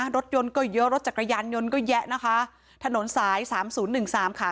รถยนต์ก็เยอะรถจักรยานยนต์ก็แยะนะคะถนนสายสามศูนย์หนึ่งสามค่ะ